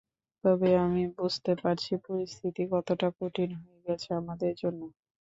তবে আমি বুঝতে পারছি পরিস্থিতি কতটা কঠিন হয়ে গেছে আমাদের জন্য।